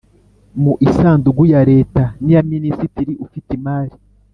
mu isanduku ya Leta niya Minisitiri ufite imari